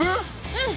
うん。